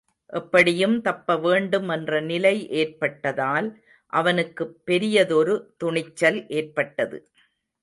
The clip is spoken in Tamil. எப்படியும் தப்பவேண்டும் என்ற நிலை ஏற்பட்டதால் அவனுக்குப் பெரியதொரு துணிச்சல் ஏற்பட்டது.